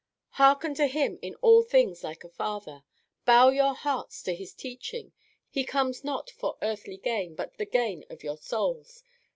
Hearken to him in all things like a father. Bow your hearts to his teaching. He comes not for earthly gain, but for the gain of your souls.